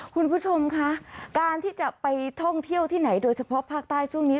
คุณผู้ชมคะการที่จะไปท่องเที่ยวที่ไหนโดยเฉพาะภาคใต้ช่วงนี้